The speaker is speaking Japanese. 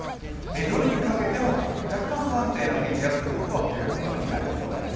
夜にかけても若干不安定な天気が続くことになりそうです。